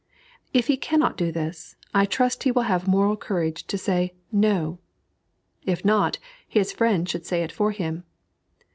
If he cannot do this, I trust he will have moral courage to say "No." If not, his friends should say it for him.